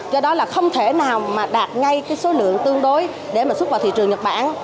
do đó là không thể nào mà đạt ngay cái số lượng tương đối để mà xuất vào thị trường nhật bản